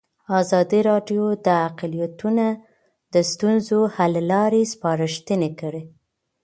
ازادي راډیو د اقلیتونه د ستونزو حل لارې سپارښتنې کړي.